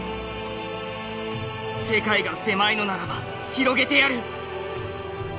「世界が狭いのならば広げてやる」。